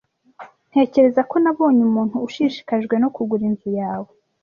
Ntekereza ko nabonye umuntu ushishikajwe no kugura inzu yawe.